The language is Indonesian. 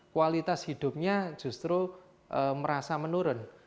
kualitas hidupnya justru merasa menurun